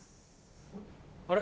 あれ？